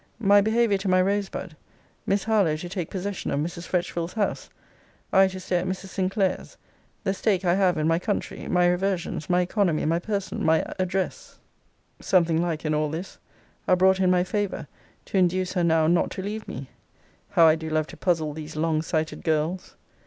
My behaviour to my Rosebud; Miss Harlowe to take possession of Mrs. Fretchville's house; I to stay at Mrs. Sinclair's; the stake I have in my country; my reversions; my economy; my person; my address; [something like in all this!] are brought in my favour, to induce her now not to leave me. How do I love to puzzle these long sighted girls!